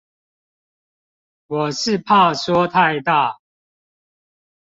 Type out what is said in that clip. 我是怕說太大